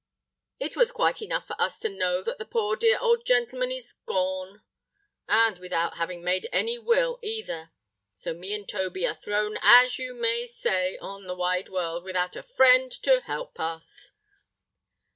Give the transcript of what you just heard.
It was quite enough for us to know that the poor dear old gentleman is gone—and without having made any Will either: so me and Toby are thrown as you may say on the wide world, without a friend to help us."